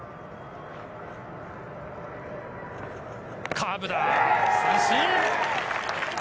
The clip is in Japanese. カーブだ、三振。